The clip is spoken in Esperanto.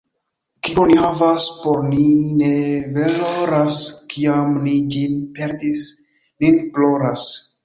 Kion ni havas, por ni ne valoras; kiam ni ĝin perdis, ni ploras.